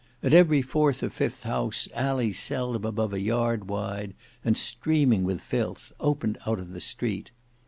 At every fourth or fifth house, alleys seldom above a yard wide and streaming with filth, opened out of the street.